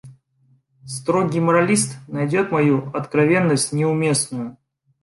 Строгий моралист найдет мою откровенность неуместною.